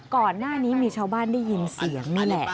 ก่อนหน้านี้มีชาวบ้านได้ยินเสียงนี่แหละ